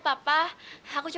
mau ada yang bisa